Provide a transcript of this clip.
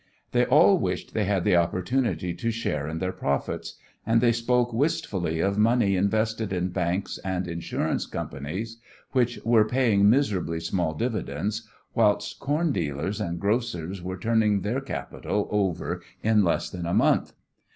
They all wished they had the opportunity to share in their profits, and they spoke wistfully of money invested in banks and insurance companies which were paying miserably small dividends whilst corn dealers and grocers were turning their capital over in less than a month!